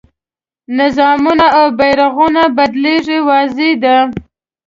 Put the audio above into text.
نظامونه او بیرغونه بدلېږي واضح ده.